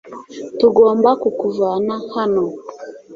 tugomba kukuvana hano